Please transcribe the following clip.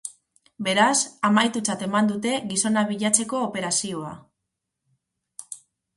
Beraz, amaitutzat eman dute gizona bilatzeko operazioa.